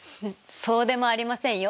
そうでもありませんよ。